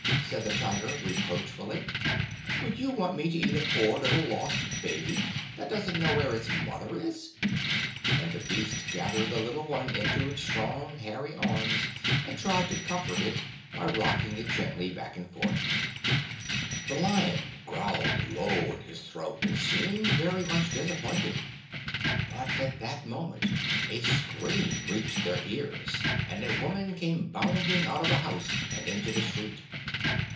said the Tiger reproachfully; "would you want me to eat a poor little lost baby, that doesn't know where its mother is?" And the beast gathered the little one into its strong, hairy arms and tried to comfort it by rocking it gently back and forth. The Lion growled low in his throat and seemed very much disappointed; but at that moment a scream reached their ears and a woman came bounding out of a house and into the street.